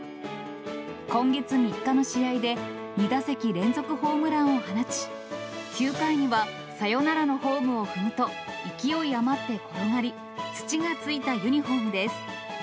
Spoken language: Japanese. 今月３日の試合で、２打席連続ホームランを放ち、９回にはサヨナラのホームを踏むと、勢い余って転がり、土がついたユニホームです。